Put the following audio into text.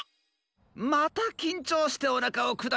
またきんちょうしておなかをくだしたのか。